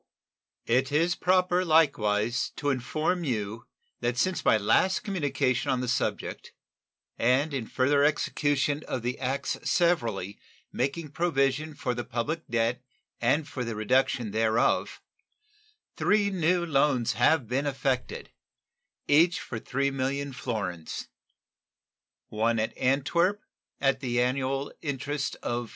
It is proper likewise to inform you that since my last communication on the subject, and in further execution of the acts severally making provision for the public debt and for the reduction thereof, three new loans have been effected, each for 3,000,000 florins one at Antwerp, at the annual interest of 4.